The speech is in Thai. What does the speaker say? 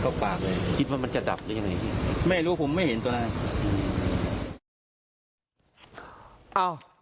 คิดว่ามันจะดับได้ยังไงไม่รู้ผมไม่เห็นตัวนั้น